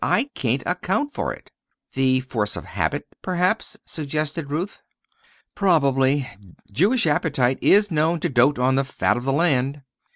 I can't account for it." "The force of habit, perhaps," suggested Ruth. "Probably. Jewish appetite is known to dote on the fat of the land."